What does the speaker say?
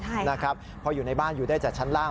เพราะอยู่ในบ้านอยู่ได้จากชั้นล่าง